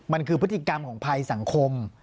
มันคือพฤติกรรมของภัยสังคม